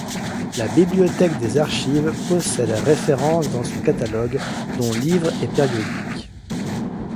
La bibliothèque des archives possède références dans son catalogue, dont livres et périodiques.